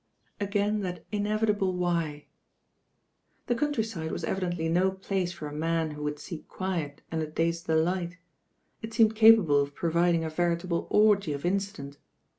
Again that inevitable Why." The country side was evidently no place for ; nin who would seek quiet and a day's dclipht. It seemed capable of providing a veritable orgy of incident.